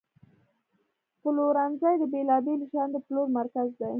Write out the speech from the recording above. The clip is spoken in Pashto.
پلورنځی د بیلابیلو شیانو د پلور مرکز دی.